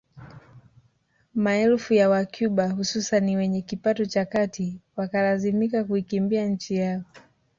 Maelfu ya wacuba hususan wenye kipato cha kati wakalazimika kuikimbia nchi yao